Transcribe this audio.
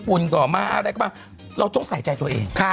เรื่องฝุ่นก่อมาอะไรก็มาเราต้องใส่ใจตัวเอง